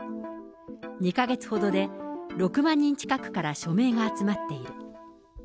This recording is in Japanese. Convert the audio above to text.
２か月ほどで、６万人近くから署名が集まっている。